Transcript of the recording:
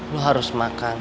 lu harus makan